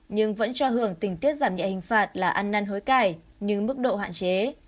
nhưng vẫn cho hưởng tình tiết giảm nhẹ hình phạt là ăn năn hối cải nhưng mức độ hạn chế